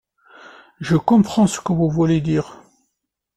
Je comprends ce que vous voulez dire.